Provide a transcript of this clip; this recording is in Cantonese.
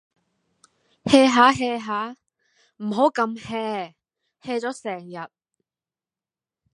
hea 吓 hea 吓，唔好咁 hea，hea 咗成日